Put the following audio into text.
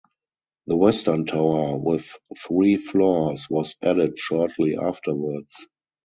The western tower with three floors was added shortly afterwards.